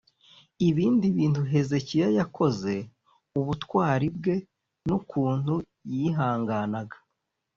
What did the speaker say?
ibindi bintu hezekiya yakoze ubutwari bwe n’ukuntu yihanganaga